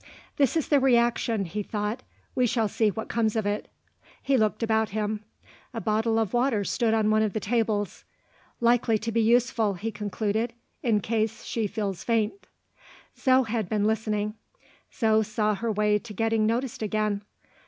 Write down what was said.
"This is the reaction," he thought. "We shall see what comes of it." He looked about him. A bottle of water stood on one of the tables. "Likely to be useful," he concluded, "in case she feels faint." Zo had been listening; Zo saw her way to getting noticed again.